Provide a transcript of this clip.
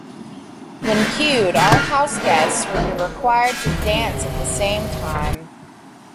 When cued, all HouseGuests would be required to dance at the same time.